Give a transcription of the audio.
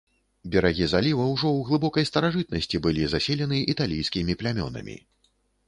Берагі заліва ўжо ў глыбокай старажытнасці былі заселены італійскімі плямёнамі.